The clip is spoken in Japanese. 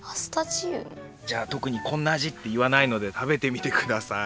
じゃあとくにこんなあじっていわないので食べてみてください。